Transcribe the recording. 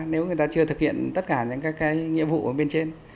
nếu người ta chưa thực hiện tất cả những các cái nhiệm vụ ở bên trên